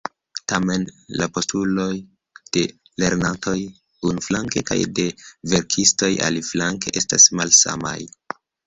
Tamen, la postuloj de lernantoj, unuflanke, kaj de verkistoj, aliflanke, estas malsamaj.